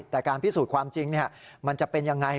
แต่การพิสูจน์ความจริงมันจะเป็นยังไง